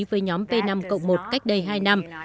với nhóm p năm một cách đây hai năm